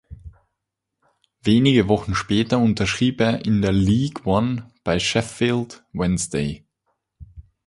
Wenige Wochen später unterschrieb er in der League One bei Sheffield Wednesday.